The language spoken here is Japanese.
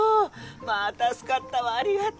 まぁ助かったわありがとう。